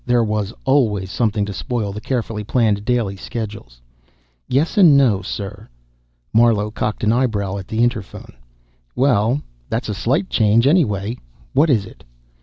There was always something to spoil the carefully planned daily schedules. "Yes and no, sir." Marlowe cocked an eyebrow at the interphone. "Well, that's a slight change, anyway. What is it?"